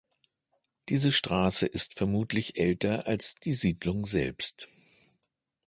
Diese Straße ist vermutlich älter als die Siedlung selbst.